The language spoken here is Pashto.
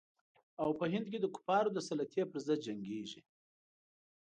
او په هند کې د کفارو د سلطې پر ضد جنګیږي.